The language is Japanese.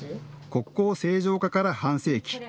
国交正常化から半世紀。